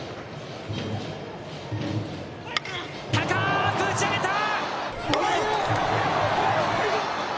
高く打ち上げた。